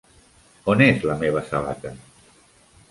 On és la meva sabata?